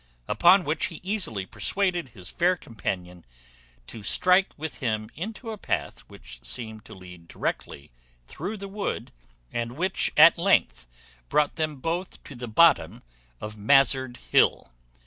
Upon which he easily persuaded his fair companion to strike with him into a path which seemed to lead directly through the wood, and which at length brought them both to the bottom of Mazard Hill.